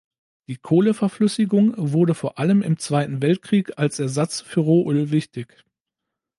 Die Kohleverflüssigung wurde vor allem im Zweiten Weltkrieg als Ersatz für Rohöl wichtig.